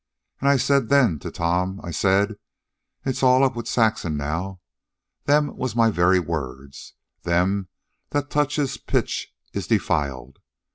An' I said then, to Tom, I said, 'It's all up with Saxon now.' Them was my very words. Them that touches pitch is defiled.